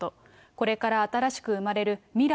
これから新しく生まれる未来